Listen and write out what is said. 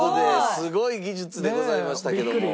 すごい技術でございましたけども。